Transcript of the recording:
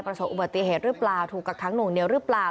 ประสบอุบัติเหตุหรือเปล่าถูกกักค้างหวงเหนียวหรือเปล่า